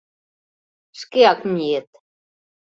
Шкеак миет.